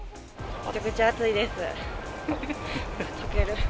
めちゃくちゃ暑いです。